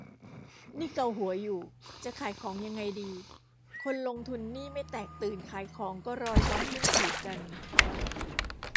นี่เกาหัวอยู่ จะขายของยังไงดี คนลงทุนนี่ไม่แตกตื่นขายของก็รอช้อนหุ้นถูกกัน